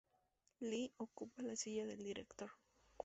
Lee ocupa la silla del director.